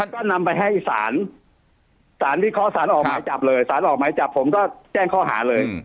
ก็นำไปให้สารสารวิเคราะห์สารออกหมายจับเลยสารออกหมายจับผมก็แจ้งข้อหาเลย